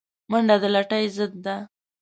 منډه د لټۍ ضد ده